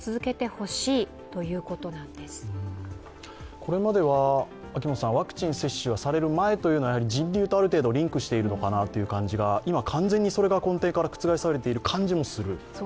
これまではワクチン接種がされる前は人流とある程度リンクしているのかなという感じが、今、完全にそれが根底から覆されている感じもする。